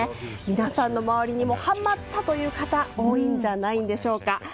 皆さんの周りにもはまったという方多いんじゃないんでしょうか。